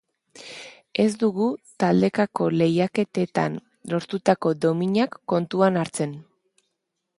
Ez dugu taldekako lehiaketetan lortutako dominak kontuan hartzen.